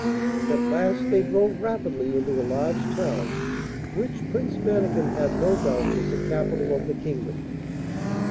At last they drove rapidly into a large town, which Prince Mannikin had no doubt was the capital of the kingdom.